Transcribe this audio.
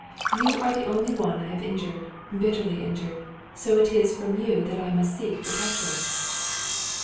You are the only one I have injured, bitterly injured, so it is from you that I must seek protection."